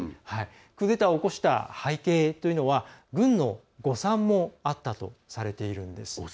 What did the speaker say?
クーデターを起こした背景というのは軍の誤算もあったとされているんです。